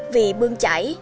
vì bương chảy